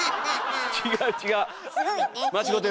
違う違う！